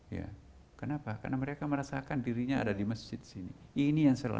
iya kenapa karena mereka merasakan dirinya ada di masjid sini ini yang saya